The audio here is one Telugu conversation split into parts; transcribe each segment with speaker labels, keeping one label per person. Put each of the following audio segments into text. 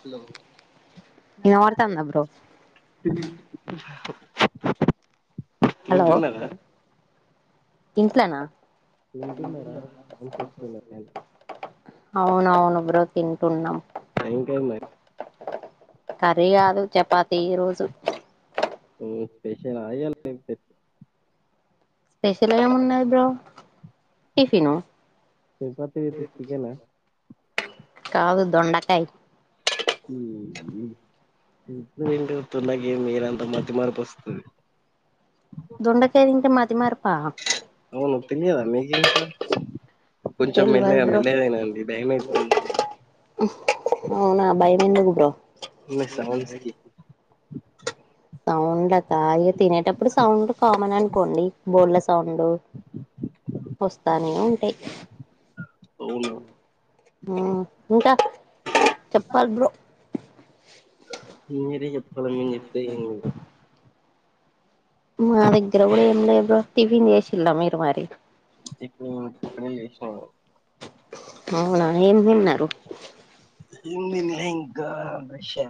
Speaker 1: హలో
Speaker 2: వినపడుతుందా బ్రో హలో
Speaker 1: తింటున్నారా
Speaker 2: ఇంట్లనా [unintelligible]
Speaker 1: తింటున్నారా సౌండ్స్ వస్తున్నాయి
Speaker 2: అవునవును బ్రో తింటున్నా
Speaker 1: ఏం కర్రీ మరి
Speaker 2: కర్రీ కాదు చపాతి ఈ రోజు
Speaker 1: ఉ స్పెషల్ ఆ ఇయాల్ యితే
Speaker 2: స్పెషల్ ఏమున్నది బ్రో టిఫిను
Speaker 1: చపాతి విత్ చికెనా
Speaker 2: కాదు దొండకాయి
Speaker 1: ఇప్పుడు నుంచి చుతున్న గీ మీరంతా మతిమరుపోస్తుంది
Speaker 2: దొండకాయి తింటే మతిమరుపా
Speaker 1: అవును తెలియదా మీకేంకా కొంచెం
Speaker 2: తెల్వదు
Speaker 1: మెల్లగా
Speaker 2: బ్రో
Speaker 1: మెల్లలేతినాండి భయమైతుంది నా
Speaker 2: అవునా భయం ఎందుకు బ్రో
Speaker 1: మీ సౌండ్స్కి
Speaker 2: సౌండ్లాకా ఇగ తినేటప్పుడు సౌండ్ కామన్ అనుకోండి బిల్లా సౌండ్ వస్తానే ఉంటాయి
Speaker 1: అవును
Speaker 2: ఉంటా చెప్పాలి బ్రో
Speaker 1: మీరే చెప్పాలి మేం చెప్తే ఏం
Speaker 2: మా దగ్గర కూడా ఏం లే బ్రో టిఫీన్ చేసిల్లా మీరు మరి
Speaker 1: ఇప్పుడు ఇపుడే చేసిన నేను
Speaker 2: అవునా ఏం తిన్నారు
Speaker 1: ఏం తిన్లే ఇంకా బ్రష్ ఏ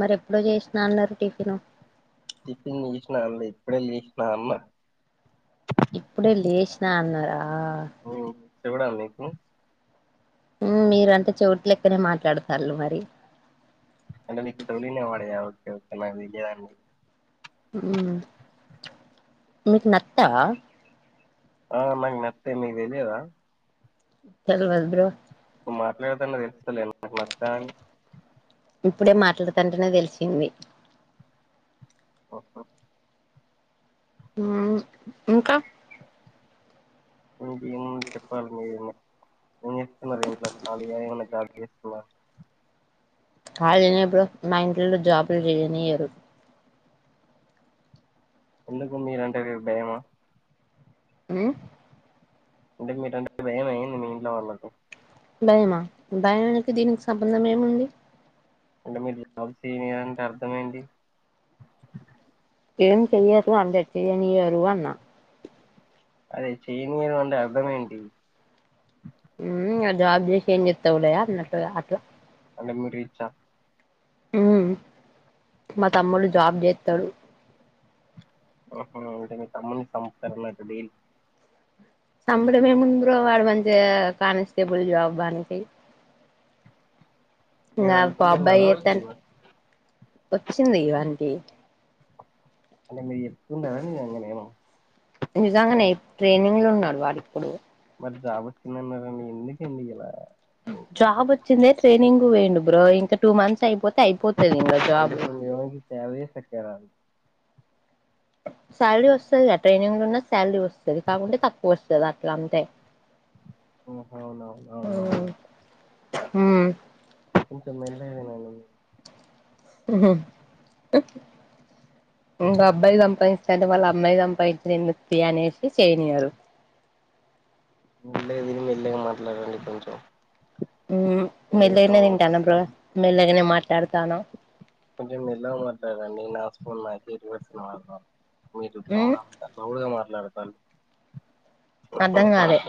Speaker 2: మరి ఎప్పుడో చేసినా అన్నారు టిఫిను
Speaker 1: టిఫిన్ చేసినా అన్లే ఇప్పుడే లేసినా అన్న
Speaker 2: ఇప్పుడే లేషినా అన్నారా
Speaker 1: చేవుడా మీకు
Speaker 2: మీరంటే చెవట్లెక్కనే మాట్లాడతల్లూ మరి
Speaker 1: అంటే మిక్ చెవులు ఇనవాడయా ఒకే ఒకే నాక్ తెలీదు అం
Speaker 2: ఉమ్ మీకు నత్తా
Speaker 1: ఆ నాక్ నత్తె మిక్ తేలిదా
Speaker 2: తెల్వదు బ్రో
Speaker 1: మాట్లాడుతుంటే తెలుస్తులే నాక్ నత్తాని
Speaker 2: ఇప్పుడే మాట్లాడుతంటేనే తెలిసింది
Speaker 1: ఓహ
Speaker 2: ఉమ్ ఇంకా
Speaker 1: ఇంకేం చెప్పాలి మీరే ఏం చేస్తున్నారు ఇంట్ల ఖాళీగా ఏమన్నా జాబ్ చేస్తున్నార
Speaker 2: కాలినే ఇప్పుడు మా ఇంట్లలో జాబులు చెయ్యనియ్యారు
Speaker 1: ఎందుకు మీరంటే మిక్ భయమా
Speaker 2: ఉ
Speaker 1: అంటే మీరుంటే భయమా ఏంది మీ ఇంట్లో వాళ్ళకు
Speaker 2: భయమా భయముకు దీనికి సంబంధం ఏముంది
Speaker 1: అంటే మీరు జాబ్ చేయనీయర్ అంటే అర్థం ఏంటి
Speaker 2: ఏం చెయ్యరు అన్లే చేయనియరు అన్న
Speaker 1: అదే చేయనియరు అంటే అర్థమేంటి
Speaker 2: ఉ ఆ జాబ్ చేసి ఏం చెత్తవులేయా అన్నట్టు ఇగ అట్లా
Speaker 1: అంటే మీరు రిచ్చా
Speaker 2: ఉ మా తమ్ముళ్లూ జాబ్ చెత్తాడు
Speaker 1: హా హా ఇంకా మీ తమ్మని సంపూతడీల్
Speaker 2: సంపడం ఏముంది రా వాడు మంచిగా కానిస్టేబుల్ జాబ్ గానికి
Speaker 1: మీరు
Speaker 2: ఇంకా బాబ్బాయి
Speaker 1: అనుకుంటున్నారా
Speaker 2: అయితన్
Speaker 1: వచ్చిందా
Speaker 2: వచ్చింది వానికి
Speaker 1: అంటే మీరు చెప్తున్నారా నేను అన్నానేమో
Speaker 2: నిజంగానే ట్రైనింగ్ లో ఉన్నాడు వాడు ఇప్పుడు
Speaker 1: మరి జాబ్ వచ్చిందన్నారని ఎందుకండి ఇలా
Speaker 2: జాబ్ వచ్చిందే ట్రైనింగ్ పోయిండు బ్రో ఇంకా టూ మంత్స్ అయిపోతే అయిపోతది ఇంకా జాబ్
Speaker 1: సర్వీస్ ఎక్కరల్
Speaker 2: శాలరీ వస్తదిగా ట్రైనింగ్ లో ఉన్న శాలరీ వస్తది కాకుంటే తక్కువ వస్తది అట్లా అంతే
Speaker 1: ఓహో నా
Speaker 2: మ్మ్
Speaker 1: అవునవును కొంచెం మెల్లగా తినండి
Speaker 2: ఉహు హ ఇంకా అబ్బాయి సంపాదిస్థాంటే వాళ్ళ అమ్మాయి సంపాదించేది ఎందుకు తీ అనేసి చేయనియారు
Speaker 1: మెల్లగా తిని మెల్లగా మాట్లాడండి కొంచెం
Speaker 2: మెల్లగానే
Speaker 1: రీసౌండ్
Speaker 2: తింటానం బ్రో మెల్లగానే మాట్లాడతానం
Speaker 1: కొంచెం మెల్లగా మాట్లాడండి నా ఫోన్ నాక్ రివర్స్ లో విన్ మీరు ఇట్లా
Speaker 2: మ్మ్
Speaker 1: గూడా అంత రూడ్ మట్లాడతర్
Speaker 2: అర్ధం కాలే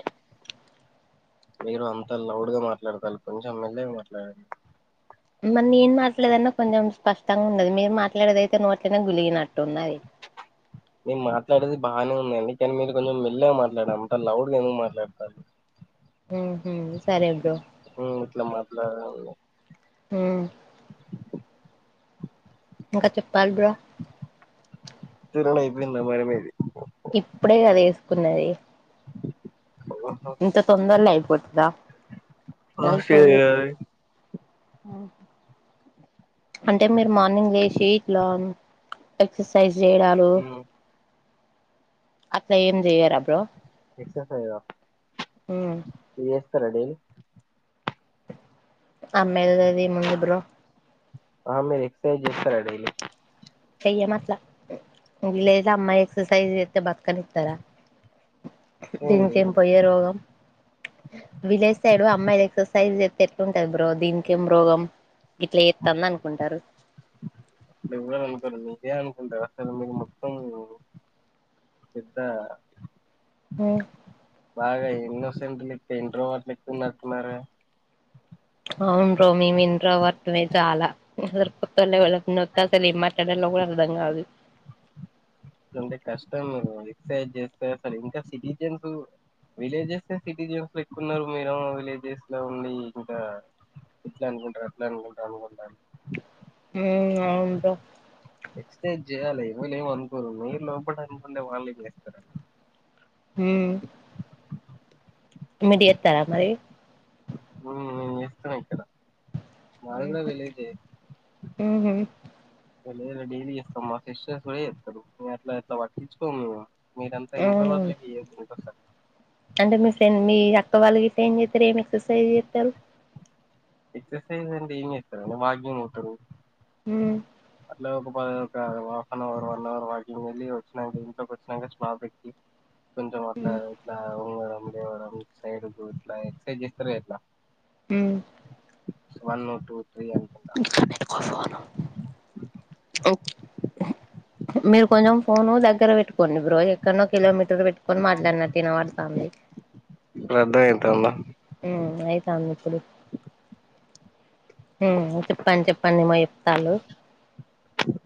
Speaker 1: మీరు అంత లౌడ్ గా మాట్లాడతార్లు కొంచెం మెల్లగా మాట్లాడండి
Speaker 2: మరి నేను మాట్లాడేదన్న కొంచెం స్పష్టంగా ఉన్నది మీరు మాట్లాడేది అయితే నోట్లనే గులిగినట్టు ఉన్నది
Speaker 1: మీరు మాట్లాడేది బానే ఉందండి కానీ మీరు కొంచెం మెల్లగా మాట్లాడండి అంత లౌడ్గా ఎందుకు మాట్లాడతార్లు
Speaker 2: ఉమ్ హు సరే బ్రో
Speaker 1: ఉమ్ ఇట్ల మాట్లాడండి
Speaker 2: ఉమ్ ఇంకా చెప్పాలి బ్రో
Speaker 1: ఇ టైపు ఎంద మరమేది
Speaker 2: ఇప్పుడే చదివేస్కున్నది ఇగ
Speaker 1: ఓహో
Speaker 2: ఇంత తొందరలే అయిపోతదా ఉహూ ఉమ్ అంటే మీరు మార్నింగ్ లేసి ఇట్లా ఎక్సర్సైజ్ చేయడామ్
Speaker 1: ఉమ్
Speaker 2: అట్లా ఏం చెయ్యరా బ్రో
Speaker 1: ఎక్సర్సైజ్ ఆ
Speaker 2: ఉమ్
Speaker 1: మీరు చేస్తారా డైలీ
Speaker 2: అమ్మాయిలది అది ఏం ఉంది బ్రో
Speaker 1: ఆ మీరు ఎక్సర్సైజ్ చేస్తారా డైలీ
Speaker 2: చేయన్ అట్లా లేదు అమ్మాయి ఎక్సర్సైజ్ చేస్తే బతకనిస్తారా
Speaker 1: ఏంటి
Speaker 2: దీనికేం పోయ్యే రోగం విలేజ్ సైడ్ అమ్మాయిలు ఎక్సర్సైజ్ జేస్తే ఎట్లుంటది బ్రో దీనికి ఏం రోగం ఇట్లా చేస్తాంది అనుకుంటారు
Speaker 1: మేము ఏమి అనుకోను నువ్వే అనుకుంటావ్ అసలు మీకు మొత్తం పెద్ద
Speaker 2: ఉమ్
Speaker 1: బాగా ఇన్నోసెంట్ విత్ ఇంట్రోవాట్ లేక్ ఉన్నటు ఉన్నారే
Speaker 2: అవును బ్రో మేం ఇంట్రావాట్ మే చాలా [unintelligible] నొత్త అసలు ఏం మాట్లాడాలో కూడా అర్థం కాదు
Speaker 1: ఎంటే కష్టం ఎక్ససైజ్ చేస్తే సర ఇంకా సిటిజన్స్. విలేజెస్ సిటిజన్స్ లో ఎక్కు ఉన్నారు మీరు విలేజెస్ లో ఉండి ఇంకా. ఇట్లా అనుకుంటారు అట్లా అనుకుంటారు అనుకుంటారు
Speaker 2: హ్మ్ అవును రా.
Speaker 1: ఎక్ససైజ్ చేయాలి ఎవలు ఏమ అనుకోరు మీరు లోపట అనుకుంటే వాళ్ళుం చేస్తారు.
Speaker 2: ఉమ్. మీరు చేస్తారా మరి.
Speaker 1: హ్మ్ నేను చేస్తున్న ఇక్కడ మాది కూడా విలేజ్ ఏ.
Speaker 2: ఉహు.
Speaker 1: డైలీ డైలీ చేస్తాం మా సిస్టర్స్ కూడా చేస్తారు ఇదంతా ఎక్కువ పట్టించుకోము మేము. మీరంతా ఇంట్లో
Speaker 2: అవును
Speaker 1: వాటిలా చేసుకుంటుంటారు.
Speaker 2: అంటే మీ ఫ్రెండ్ ని మీ అక్క వాళ్ళ గిట్ల ఏం చేస్తారు ఏమి ఎక్సర్సైజ్ చెస్తారు.
Speaker 1: ఎక్ససైజ్ అంటే ఏం చేస్తారు వాకింగ్ చేస్తారు.
Speaker 2: ఉమ్.
Speaker 1: ఒక పది half an hour one hour walking వెళ్ళి వచ్చినాక ఇంట్కి వచ్చినాక స్లాప్ ఎక్కి. కొంచం అట్లా ఇట్లా ఉంగడం లేవడం సైడ్ ఇట్లా ఎక్సర్సైజ్ చేస్తార గా ఇట్లా.
Speaker 2: హామ్.
Speaker 1: వన్, టూ, త్రీ అంత.
Speaker 2: ఇంకా నిన్ను కలవను. ఓకే మీరు కొంచెం ఫోను దగ్గర పెట్టుకోండి బ్రో. ఎక్కడనో కిలోమీటర్ పెట్కొని మాట్లాడినట్టు వినబడుతోంది.
Speaker 1: ఇప్పుడు అర్థం అవుతుందా.
Speaker 2: హామ్ అయితాంది ఇప్పుడు. ఉహూ చెప్పండి చెప్పండి ఏమో చెప్తార్లు.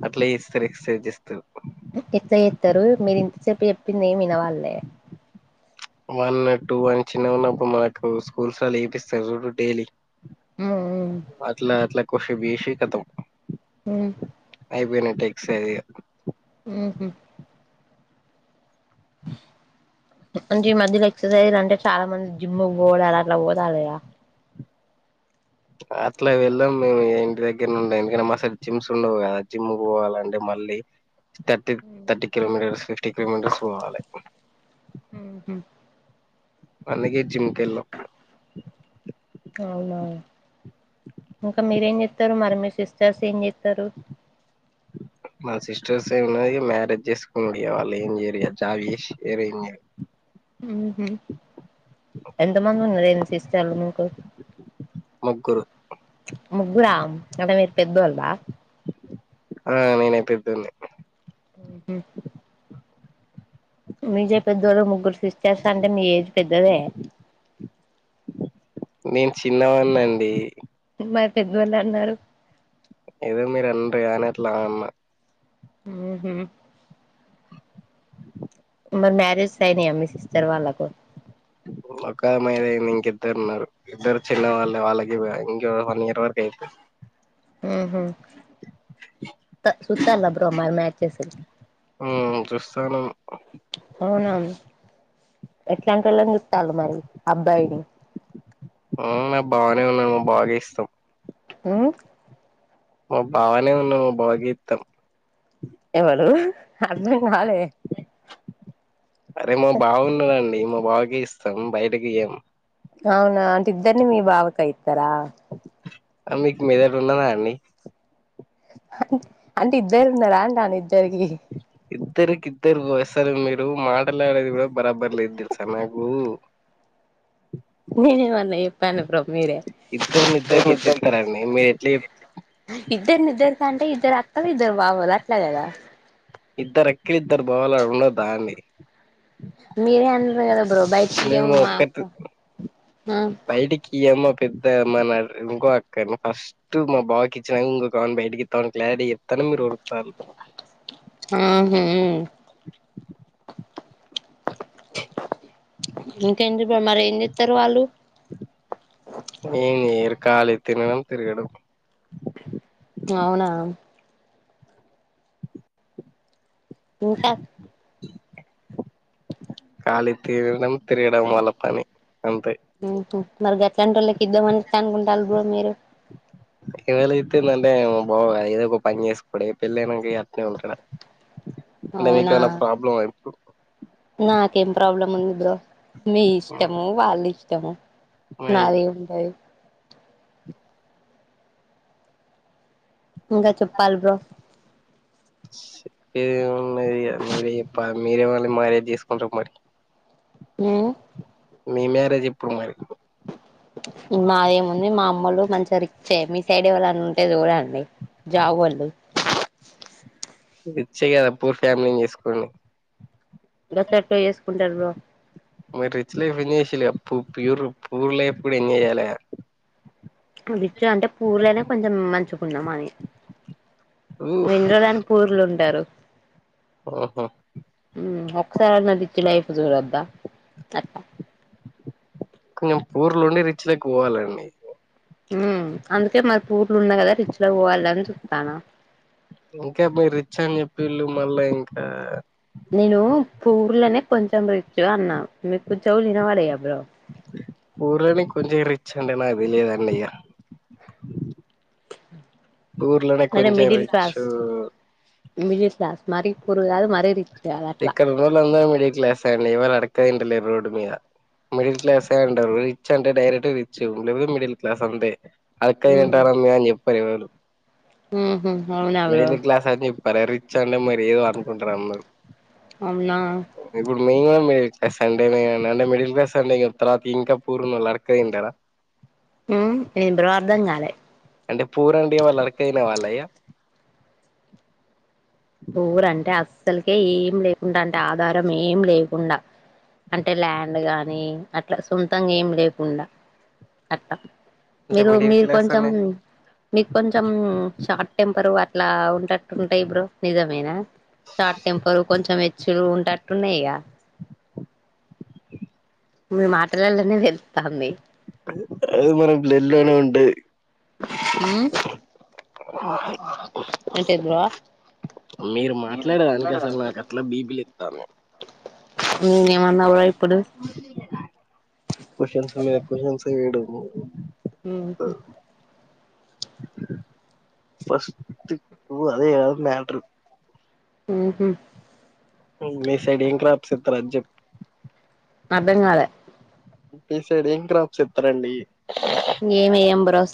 Speaker 1: అట్లా చేస్తారు ఎక్ససైజ్ చేస్తేరు.
Speaker 2: ఎట్లా ఎట్లా చేస్తారు మీరు ఇంతసేపు చెప్పింది ఏమీ వినపళ్ళే.
Speaker 1: వన్ టూ వన్ చిన్న ఉన్నప్పుడు మనకు స్కూల్స్ లలో చేపిస్తారు చూడు డైలీ.
Speaker 2: ఉమ్
Speaker 1: అట్లా అట్లా కాసేపు చేసి కతం.
Speaker 2: ఉమ్.
Speaker 1: అయిపోయినాయి టెక్ససిగా.
Speaker 2: ఉహు‌. అంటే ఈ మధ్యలో ఎక్సర్సైజ్ అంటే చాలా మంది జిమ్ పోడాలు అట్లా పోతలు కదా.
Speaker 1: అట్లా వెళ్ళాం మేము ఇంటి దగ్గర. ద్ ఉండే ఎందుకే మ అసలు జిమ్స్ ఉండవు కదా జిమ్ పోవాలంటే మళ్ళీ. Thirty thirty kilometres fifty kilometres పోవాలి.
Speaker 2: ఉహు
Speaker 1: అందుకే జిమ్ కెల్లం.
Speaker 2: అవునా ఇంకా మీరేం చెస్తారు మరి మీ సిస్టర్స్ ఏం చేస్తారు.
Speaker 1: మా సిస్టర్స్ ఏం ఉన్నది మ్యారేజ్ చేసుకునారు వాళ్ళు ఏం చేయరు ఇగ జాబ్ చేసి వేరే ఏం చేయరు.
Speaker 2: ఉహు ఎంత మంది ఉన్నవారు ఏంది సిస్టర్లు నీకు.
Speaker 1: ముగ్గురు.
Speaker 2: ముగ్గురా అంటే మీరు పెద్దోవాళ్ళ.
Speaker 1: ఆ నేనే పెద్దోన్ని.
Speaker 2: హ్మ్. మీజే పెద్దోడు ముగ్గురు సిస్టర్స్ అంటే మీ ఏజ్ పెద్దదే.
Speaker 1: నేను చిన్నవాన్నాండి.
Speaker 2: మరి పెద్దోళ్ళు అన్నారు
Speaker 1: ఏదో మీరు అన్నారు కాని అట్లా అన్నా
Speaker 2: ఆహ మరి మ్యారేజ్స్ అయినాయా మీ సిస్టర్ వాళ్ళకు
Speaker 1: ఒక్క ఆమెయింది ఇంకి ఇద్దరు ఉన్నారు ఇద్దరు చిన్న వాళ్ళే వాళ్ళకి ఇంకో వన్ ఇయర్ వరకు అయితది
Speaker 2: హు సుత్తల బ్రో మరి మ్యాచెస్
Speaker 1: ఉమ్ చూస్తానము
Speaker 2: అవునా ఎట్లాంటి వాళ్ళని చుతాలు మరి అబ్బాయిని
Speaker 1: ఆ మా బావనే ఉన్నాడు మా బావకే ఇస్తాం
Speaker 2: హ
Speaker 1: మా బావనే ఉన్నాడు మా బావకే ఇత్తం
Speaker 2: ఎవలు అర్థం కాలే
Speaker 1: అరే మా బావన్నాడుండి మా బావకి ఇస్తాం బయటకి ఇయ్యం
Speaker 2: అవునా అంటే ఇద్దరిని మీ బావ కే ఇత్తర
Speaker 1: మీకు మీ దగ్గర ఉన్నరా అండి
Speaker 2: అంటే ఇద్దరు ఉన్నారా అంటని ఇద్దరికి
Speaker 1: ఇద్దరికి ఇద్దరికి అసలు మీరు మాట్లాడేది కూడా బరాబర్ లేదు తెలుసా నాకు
Speaker 2: నేనేమన్నా చెప్పండి బ్రో మీరే
Speaker 1: ఇద్దరిని ఇద్దరికి ఎట్లా ఇస్తారండి మీరు ఎట్లా చెప్-
Speaker 2: ఇద్దరునిద్దరి కంటే ఇద్దరు అక్కలు ఇద్దరు బావాలు అట్లా కదా
Speaker 1: ఇద్దరు అక్కలు ఇద్దరు బావలు ఆడ ఉండద్దా అండి
Speaker 2: మీరే అన్నారు కదా బ్రో బయటకి ఇయ్యాము మా అక్క
Speaker 1: యమ్మ పెద్ద మన ఇంకో అక్కను కావచ్చు ఫస్ట్ మా బావకిచ్చిన ఇంకోకామను బయటికి ఇత్తమని క్లారిటీగా చెప్తాన్నా మీరు ఓర్తాన్లు
Speaker 2: ఆహా ఇంకేం మరి ఏం చెస్తారు వాళ్ళు
Speaker 1: ఏం చేయరు ఖాళీ తినడం తిరగడం
Speaker 2: అవునా ఇంకా
Speaker 1: ఖాళీ తినడం తిరగడం వాళ్ల పని అంతే
Speaker 2: ఉహు మరి అట్లాంటి వాళ్ళకి ఇద్దామని ఎట్ల అనుకుంటారు బ్రో మీరు
Speaker 1: ఎవళైయితేందంటే మా బావ కదా ఏదో ఒక పని చేసుకోడ పెళ్లయినంక అట్నే ఉంటాడా అంటే
Speaker 2: అవునా
Speaker 1: మీకైనా ప్రాబ్లమ్ ఆ ఇప్పుడు
Speaker 2: నాకేం ప్రాబ్లం ఉంది బ్రో మీ ఇష్టము వాళ్ళ ఇష్టము
Speaker 1: మరి
Speaker 2: నాదేమున్నది ఇంకా చెప్పాలి బ్రో
Speaker 1: చెప్పేది ఏం ఉన్నది మీరే మీరే ఎవర్ని మ్యారేజ్ తీసుకుంటారు మరి
Speaker 2: అ
Speaker 1: మీ మ్యారేజ్ ఎప్పుడు మరి
Speaker 2: మాదేముంది మా అమ్మోళ్ళు మంచిగా రిచే మీ సైడ్ ఎవళన్నా ఉంటే చూడండి జాబోళ్లు
Speaker 1: రిచ్చే కదా పూర్ ఫ్యామిలీని చేసుకోండి
Speaker 2: గట్లెట్ల చేసుకుంటారు బ్రో
Speaker 1: మీరి రిచ్ లైఫ్ ఎంజాయ్ చేసిల్లు కదా పూ ప్యూరు పూర్ లైఫ్ కూడా ఎంజా్చేయాల కదా
Speaker 2: ఇప్పుడు రీచ్ అంటే పూర్నే కొంచెం మంచుకున్నాం మని
Speaker 1: ఉఫ్
Speaker 2: ఎన్నిరోజులని పూర్లు ఉంటారు
Speaker 1: ఆహా
Speaker 2: ఉమ్ ఒకసారి అన్న రీచ్ లైఫ్ చూడద్దా అట్లా
Speaker 1: కొంచెం పూర్లు ఉండి రిచ్ లోక్కి పోవాలండి
Speaker 2: హ్మ్ అందుకే మరి పూర్లు ఉన్నా కదా రిచ్ లో పోవాలి అని చూత్తన్న
Speaker 1: ఇంకా మీర్ రిచ్ అని చెప్పిళ్ళు మళ్ళా ఇంకా
Speaker 2: నేను పూర్లోనే కొంచెం ర్రిచ్చు అన్నా మీకుెవులుివినపాడయ బ్రో
Speaker 1: పూర్ని కొంచం రిచ్ అంటే నాకుతెలిదాండయ్య పూర్లనినే
Speaker 2: అంటే
Speaker 1: కొంచెం
Speaker 2: middle class
Speaker 1: rich
Speaker 2: middle class మరి పూర్ కాదు మరి రిచ్ కాదు అట్లా
Speaker 1: ఇక్కడ ఉన్నోళ్లందరూ మిడిల్ క్లాస్సేయండి ఎవరు అడుక్కుతింటలేడు రోడ్డుమీద మిడిల్ క్లాసే ఉంటారు రిచ్ అంటే డైరెక్ట్ రిచ్ లేకపోతే మిడిల్ క్లాస్ అంతే [unintelligible] గింట అనన్య అని చెప్పారు ఎవరు
Speaker 2: ఉహూ అవునా బ్రో
Speaker 1: మిడిల్ క్లాస్ అని చెప్పారే రిచ్ అంటే మరి ఏదో అనుకుంటారు అందరూ
Speaker 2: అవునా
Speaker 1: ఇప్పుడు మేం కూడా మిడిల్ క్లాస్ సండే అంటే మిడిల్ క్లాస్ సండే ఇగ
Speaker 2: ఉమ్ ఏంది బ్రో అర్థం కాలే
Speaker 1: అంటే పూర్ అంటే ఇగ వాళ్ళు అడక్క తినే వాళ్ళ ఇగ
Speaker 2: పూరంటే అస్సలకే ఏం లేకుండా అంటే ఆధారం ఏం లేకుండా అంటే ల్యాండ్ గాని అట్లా సొంతంగా ఏం లేకుండా అట్ట
Speaker 1: అంటే
Speaker 2: మీరు
Speaker 1: మిడిల్
Speaker 2: మీరు
Speaker 1: క్లాస్
Speaker 2: కొంచెం
Speaker 1: అనే
Speaker 2: మీకు కొంచెం షార్ట్ టెంపరు అట్లా ఉంటట్టు ఉంటాయి బ్రో నిజమేనా షార్ట్ టెంపర్ కొంచెం హెచ్చులు ఉన్నట్టున్నాయిక మీ మాటలలనే తెల్తంది
Speaker 1: అది మన్న బ్లడ్ లోనే ఉంటది
Speaker 2: ఉమ్
Speaker 1: ఆ
Speaker 2: అంటే బ్రో
Speaker 1: మీరు మాట్లాడేదానికి అసలు నాకు అట్లా బీపీ లేప్తన్నావ్
Speaker 2: నేనేమన్నా బ్రో ఇప్పుడు
Speaker 1: కోషన్స్ మీద కొషన్స్ వెయ్యడము
Speaker 2: ఉహూ
Speaker 1: మస్తు ఒ అదే కదా మ్యాటరు
Speaker 2: ఉహూ
Speaker 1: మీ సైడ్ ఏం క్రాప్స్ ఎత్తారు అది చెప్పు
Speaker 2: అర్థం కాలే
Speaker 1: మీ సైడ్ ఏం క్రాప్స్ ఎత్తరండి
Speaker 2: ఏమేయం బ్రో